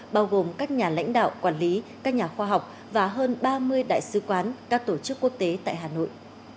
bao gồm các nhà lãnh đạo quản lý các nhà khoa học và hơn ba mươi đại sứ quán các tổ chức quốc tế tại hà nội